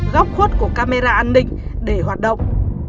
góc khuất của camera an ninh để hoạt động